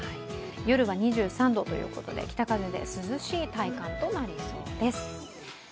夜は２３度ということで北風で涼しい体感となりそうです。